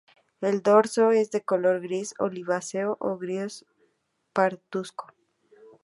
El dorso es de color gris-oliváceo o gris-parduzco.